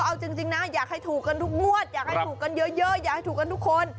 เอาจริงนะอยากให้ถูกกันทุกงวดอยากให้ถูกกันเยอะอยากให้ถูกกันทุกคน